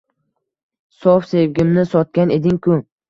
Sof sevgimni sotgan eding-ku